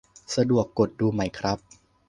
สะดวกกดดูไหมครับ